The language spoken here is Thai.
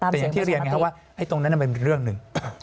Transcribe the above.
แต่อย่างที่เรียนไงครับว่าตรงนั้นมันเป็นเรื่องหนึ่ง